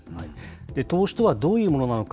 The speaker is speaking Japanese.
投資とはどういうものなのか。